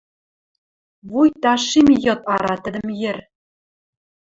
Вуйта шим йыд ара тӹдӹм йӹр.